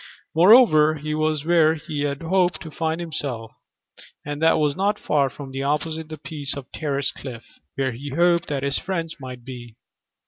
Moreover, he was where he had hoped he might find himself, and that was not far from opposite the piece of terraced cliff where he hoped that his friends might be.